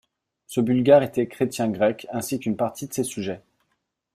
Ce Bulgare était chrétien grec, ainsi qu'une partie de ses sujets.